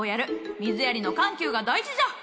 水やりの緩急が大事じゃ。